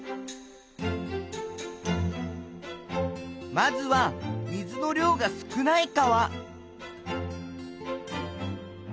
まずは水の量が少ない川。